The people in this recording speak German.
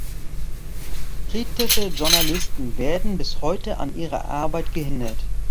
Kritische Journalisten werden bis heute an ihrer Arbeit gehindert.